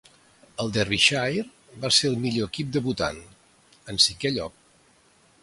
El Derbyshire va ser el millor equip debutant, en cinquè lloc.